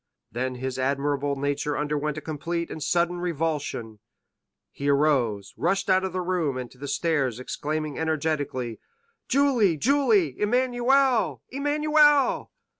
Then his admirable nature underwent a complete and sudden revulsion; he arose, rushed out of the room and to the stairs, exclaiming energetically, "Julie, Julie—Emmanuel, Emmanuel!"